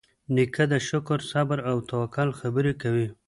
نیکه د شکر، صبر، او توکل خبرې کوي.